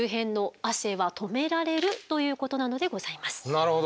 なるほど。